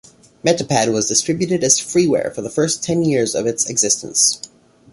Metapad was distributed as freeware for the first ten years of its existence.